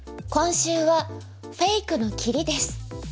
今週は「フェイクの切り」です。